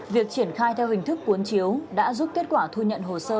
việc triển khai theo hình thức cuốn chiếu đã giúp kết quả thu nhận hồ sơ